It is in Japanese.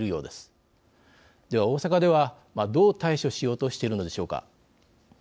では大阪ではどう対処しようとしているのでしょうか。